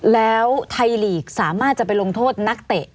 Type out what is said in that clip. แล้วไทยลีกสามารถจะไปลงโทษนักเตะ